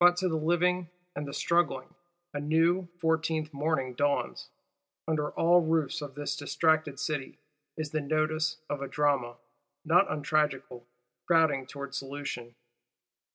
But, to the living and the struggling, a new, Fourteenth morning dawns. Under all roofs of this distracted City, is the nodus of a drama, not untragical, crowding towards solution.